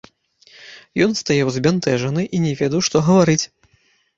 Ён стаяў збянтэжаны і не ведаў, што гаварыць.